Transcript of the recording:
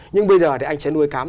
nhưng bây giờ thì anh sẽ nuôi cám